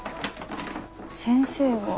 先生は？